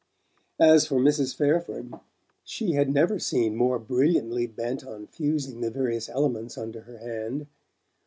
As for Mrs. Fairford, she had never seemed more brilliantly bent on fusing the various elements under her hand.